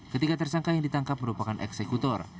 ketiga tersangka yang ditangkap merupakan eksekutor